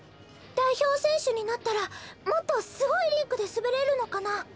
代表選手になったらもっとすごいリンクで滑れるのかな？